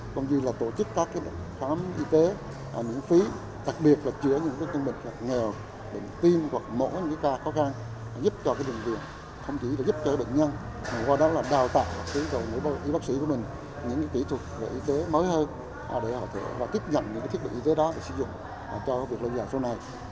cũng như là tổ chức các khám y tế miễn phí đặc biệt là chữa những nhân bệnh nghèo bệnh tim hoặc mổ những ca khó khăn giúp cho đường biển